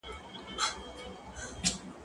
زه پرون مکتب ته وم،